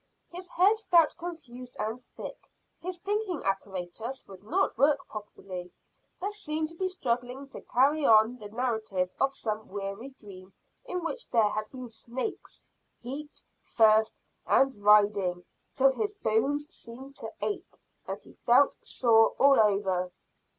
His head felt confused and thick. His thinking apparatus would not work properly, but seemed to be struggling to carry on the narrative of some weary dream in which there had been snakes, heat, thirst, and riding, till his bones seemed to ache and he felt sore all over.